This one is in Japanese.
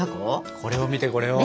これを見てこれを。